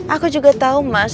aku juga tau mas